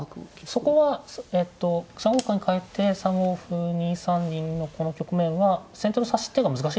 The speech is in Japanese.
あそこはえと３五角にかえて３五歩２三銀のこの局面は先手の指し手が難しい。